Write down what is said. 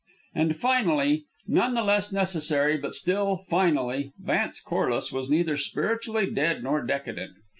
And finally, none the less necessary but still finally, Vance Corliss was neither spiritually dead nor decadent.